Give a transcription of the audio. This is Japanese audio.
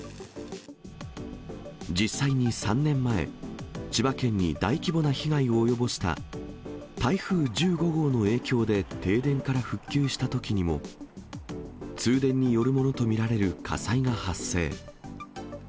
実際に３年前、千葉県に大規模な被害を及ぼした台風１５号の影響で停電から復旧したときにも、通電によるものと見られる火災が発生。